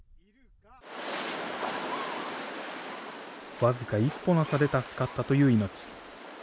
僅か１歩の差で助かったという命。